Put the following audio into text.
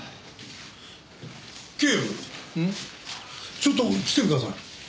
ちょっと来てください。